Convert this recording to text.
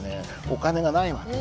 お金がない訳。